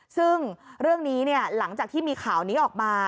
ซึ่งเรื่องนี้หลังจากที่มีข่าวนี้ออกมา